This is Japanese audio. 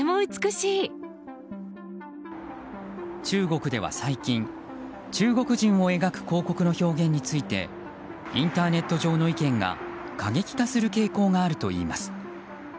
中国では最近中国人を描く広告の表現についてインターネット上の意見が過激化する傾向があるといいます。